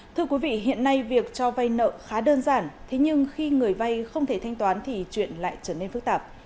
thưa quý vị hiện nay việc cho vay nợ khá đơn giản thế nhưng khi người vay không thể thanh toán thì chuyện lại trở nên phức tạp